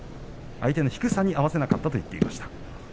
相手の低さに合わせなかったと言っていました。